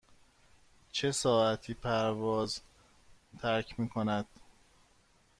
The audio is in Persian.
چه ساعتی پرواز ترک می کند؟